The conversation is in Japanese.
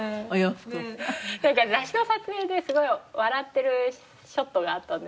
なんか雑誌の撮影ですごい笑ってるショットがあったんですよ。